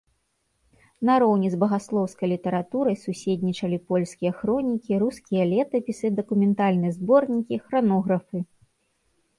Нароўні з багаслоўскай літаратурай суседнічалі польскія хронікі, рускія летапісы, дакументальныя зборнікі, хранографы.